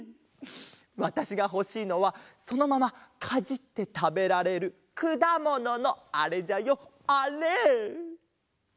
わたしがほしいのはそのままかじってたべられるくだもののあれじゃよあれ！